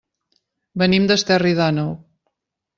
Venim d'Esterri d'Àneu.